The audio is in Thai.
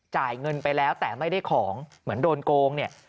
จ่ายเงินไปแล้วแต่ไม่ได้ของเหมือนโดนโกงเนี่ย